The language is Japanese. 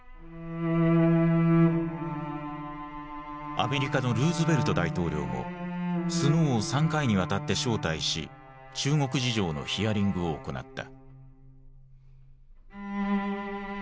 アメリカのルーズベルト大統領もスノーを３回にわたって招待し中国事情のヒアリングを行った。